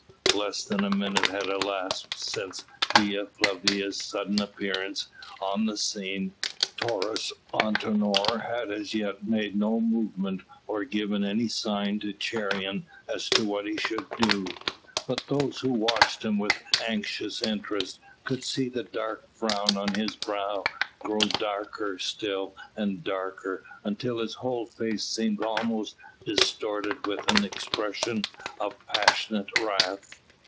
Less than a minute had elapsed since Dea Flavia's sudden appearance on the scene. Taurus Antinor had as yet made no movement or given any sign to Cheiron as to what he should do; but those who watched him with anxious interest could see the dark frown on his brow grow darker still and darker, until his whole face seemed almost distorted with an expression of passionate wrath.